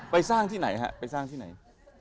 ไปสร้างที่ไหน